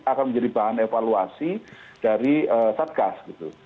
akan menjadi bahan evaluasi dari satgas gitu